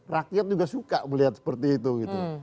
rakyat juga suka melihat seperti itu gitu